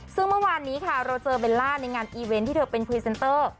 ซึ่งเมื่อวานนี้ค่ะเราเจอเบลล่าในงานอีเวนต์ที่เธอเป็นพรีเซนเตอร์